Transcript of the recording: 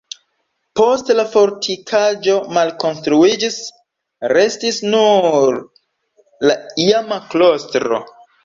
Poste la fortikaĵo malkonstruiĝis, restis nur la iama klostro.